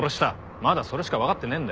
まだそれしかわかってねえんだ。